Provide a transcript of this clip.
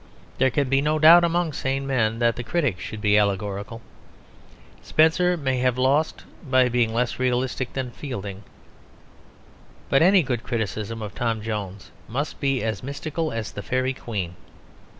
There can be no doubt among sane men that the critic should be allegorical. Spenser may have lost by being less realistic than Fielding. But any good criticism of Tom Jones must be as mystical as the Faery Queen.